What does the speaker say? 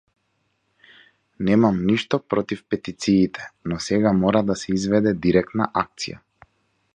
Немам ништо против петициите, но сега мора да се изведе директна акција.